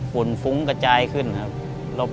ุ่นฟุ้งกระจายขึ้นครับ